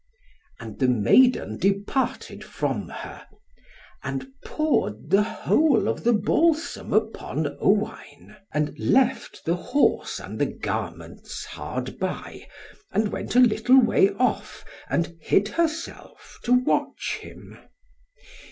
And the maiden departed from her, and poured the whole of the balsam upon Owain, and left the horse and the garments hard by, and went a little way off, and hid herself, to watch him.